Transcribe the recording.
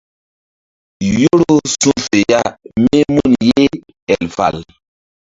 Yoro su̧ fe ya mí mun ye el.